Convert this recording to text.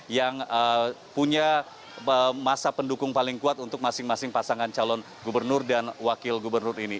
yang punya masa pendukung paling kuat untuk masing masing pasangan calon gubernur dan wakil gubernur ini